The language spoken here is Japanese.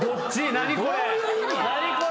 何これ？